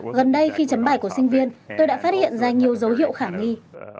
gần đây khi chấm bài của sinh viên tôi đã phát hiện ra nhiều dấu hiệu khả nghi